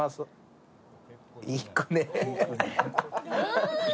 いくねえ。